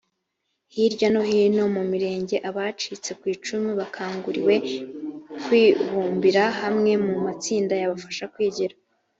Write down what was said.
hirya no hino mu mirenge abacitse ku icumu bakanguriwe kwibumbira hamwe mu matsinda yabafasha kwigira